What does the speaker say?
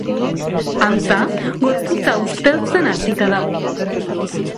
Antza, gorputza usteltzen hasita dago.